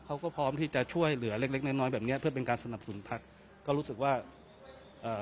เขาก็พร้อมที่จะช่วยเหลือเล็กเล็กน้อยน้อยแบบเนี้ยเพื่อเป็นการสนับสนุนพักก็รู้สึกว่าเอ่อ